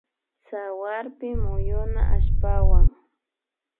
Tsawarpi muyuna allpawan